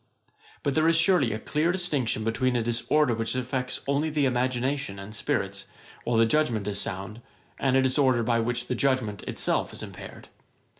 But there is surely a clear distinction between a disorder which affects only the imagination and spirits, while the judgement is sound, and a disorder by which the judgement itself is impaired.